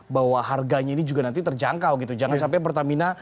bahwa harganya ini juga nanti terjangkau gitu jangan sampai pertamina